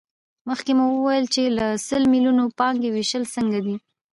مخکې مو وویل چې له سل میلیونو پانګې وېش څنګه دی